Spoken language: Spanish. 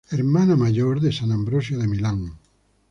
Hermana mayor de san Ambrosio de Milán.